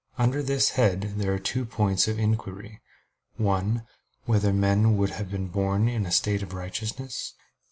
Under this head there are two points of inquiry: (1) Whether men would have been born in a state of righteousness?